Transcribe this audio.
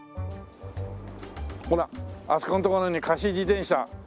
ほらあそこの所に貸し自転車。